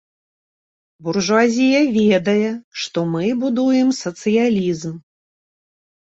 Буржуазія ведае, што мы будуем сацыялізм.